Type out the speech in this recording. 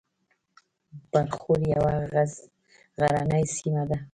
برښور یوه غرنۍ سیمه ده